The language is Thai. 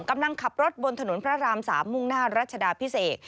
กำลังขับรถบนถนนพระราม๓มุ่งหน้ารัชดาพิเศษ